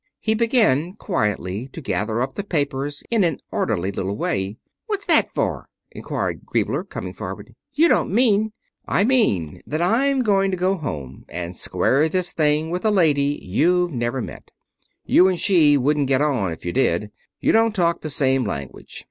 He began quietly to gather up the papers in an orderly little way. "What's that for?" inquired Griebler, coming forward. "You don't mean " "I mean that I'm going to go home and square this thing with a lady you've never met. You and she wouldn't get on if you did. You don't talk the same language.